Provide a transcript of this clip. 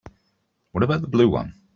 What about the blue one?